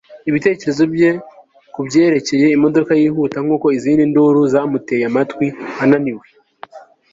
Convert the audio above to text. ibitekerezo bye kubyerekeye imodoka yihuta nkuko izindi nduru zamuteye amatwi ananiwe